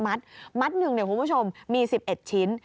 มัดหนึ่งเนี่ยคุณผู้ชมมี๑๑ชิ้น